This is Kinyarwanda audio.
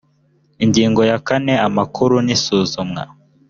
ingingo ya kane amakuru n isuzumwa